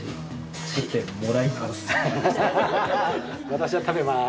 私は食べます。